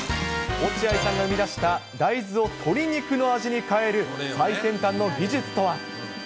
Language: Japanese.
落合さんが生み出した大豆を鶏肉の味に変える最先端の技術とは。